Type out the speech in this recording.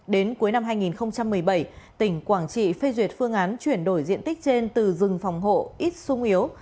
đến cuối năm hai nghìn một mươi bảy tỉnh quảng trị phê duyệt phương án chuyển đổi diện tích trên từ rừng phòng hộ ít sung yếu